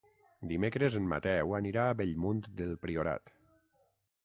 Dimecres en Mateu anirà a Bellmunt del Priorat.